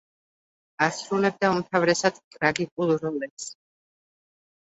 ასრულებდა უმთავრესად ტრაგიკულ როლებს.